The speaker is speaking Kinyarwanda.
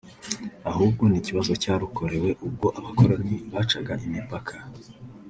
ahubwo ni ikibazo cyarukorewe ubwo abakoroni bacaga imipaka